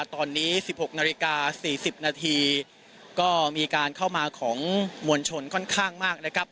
ตอนนี้๑๖นาฬิกา๔๐นาทีก็มีการเข้ามาของมวลชนค่อนข้างมากนะครับ